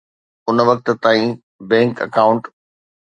ان وقت تائين bank account